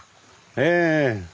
ええ。